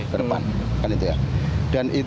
dan itu pengadilan